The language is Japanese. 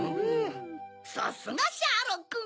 さすがシャーロくん。